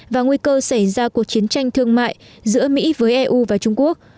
và nguy cơ xảy ra cuộc chiến tranh thương mại giữa mỹ với eu và trung quốc